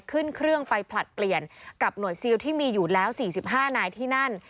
ขึ้นเครื่องไปผลัดเปลี่ยนกับหน่วยซิลที่มีอยู่แล้ว๔๕นายที่นั่น